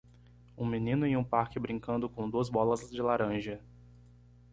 Um menino em um parque brincando com duas bolas de laranja.